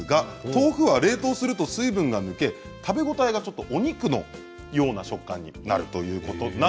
豆腐は冷凍すると水分が抜けて食べ応えがお肉のような食感になるそうです。